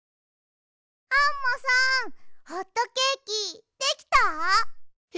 アンモさんホットケーキできた？へ？